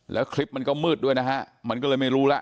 แล้วคลิปมันก็มืดด้วยนะฮะมันก็เลยไม่รู้แล้ว